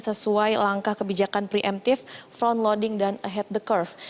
sesuai langkah kebijakan preemptif front loading dan ahead the curve